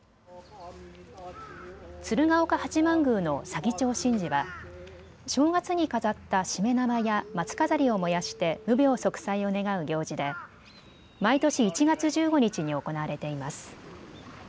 鶴岡八幡宮の左義長神事は正月に飾ったしめ縄や松飾りを燃やして無病息災を願う行事で毎年１月１５日に行われています。